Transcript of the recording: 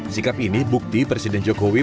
sikap ini bukti presiden jokowi